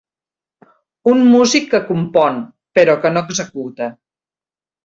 Un músic que compon, però que no executa.